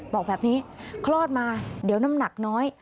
บอกแบบนี้คลอดมาเดี๋ยวน้ำหนักน้อย